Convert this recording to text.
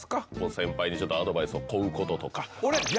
先輩にちょっとアドバイスを請うこととか。